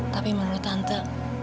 tapi menurut tante